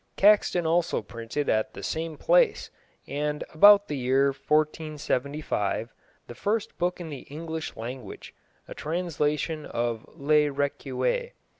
Caxton also printed at the same place, and about the year 1475, the first book in the English language a translation of Le Recueil.